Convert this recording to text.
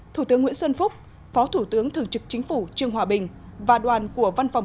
thủ tướng nguyễn xuân phúc phó thủ tướng thường trực chính phủ trương hòa bình và đoàn của văn phòng